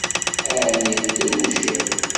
Ɛni tedrewcem?